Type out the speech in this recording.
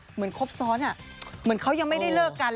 เหมือนครบซ้อนเหมือนเขายังไม่ได้เลิกกัน